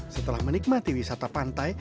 setelah menikmati wisata pantai